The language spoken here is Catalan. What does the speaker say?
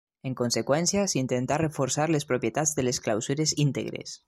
En conseqüència s'intenta reforçar les propietats de les clausures íntegres.